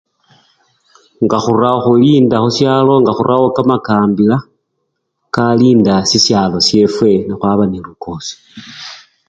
Nga khurawo! khulinda khusyalo nga khurawo kamakambila kalinda sisyalo syefwe nekhwaba nende lukosii.